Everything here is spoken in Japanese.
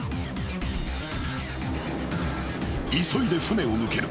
［急いで船を向ける。